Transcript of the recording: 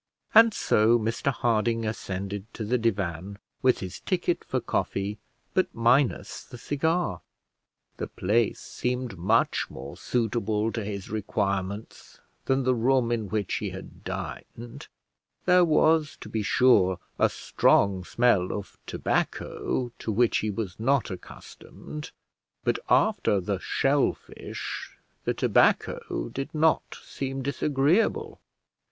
And so Mr Harding ascended to the divan, with his ticket for coffee, but minus the cigar. The place seemed much more suitable to his requirements than the room in which he had dined: there was, to be sure, a strong smell of tobacco, to which he was not accustomed; but after the shell fish, the tobacco did not seem disagreeable.